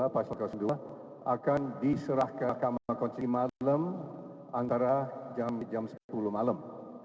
pasal dua akan diserah ke mahkamah konstitusi malam antara jam sepuluh malam